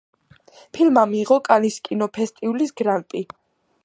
ფილმმა მიიღო კანის კინოფესტივალის გრან პრი.